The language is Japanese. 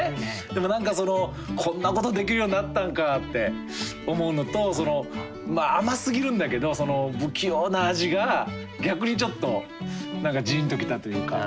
でも何かそのこんなことできるようになったんかって思うのと甘すぎるんだけどその不器用な味が逆にちょっとじんときたというか。